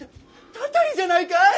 祟りじゃないかい？